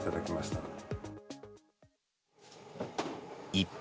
一方。